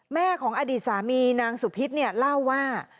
แม่ของอดีตสามีนางสุพิษเนี่ยเล่าว่า